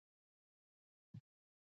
مسجد د خدای پاک کور دی.